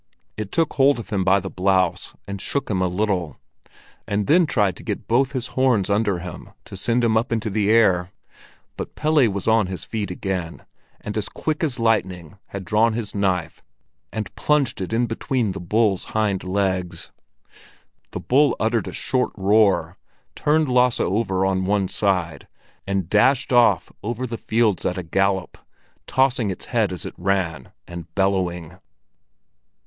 It took hold of him by the blouse and shook him a little, and then tried to get both his horns under him to send him up into the air; but Pelle was on his feet again, and as quick as lightning had drawn his knife and plunged it in between the bull's hind legs. The bull uttered a short roar, turned Lasse over on one side, and dashed off over the fields at a gallop, tossing its head as it ran, and bellowing.